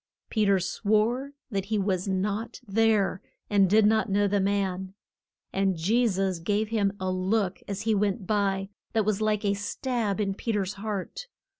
Pe ter swore that he was not there, and did not know the man. And Je sus gave him a look as he went by, that was like a stab in Pe ter's heart.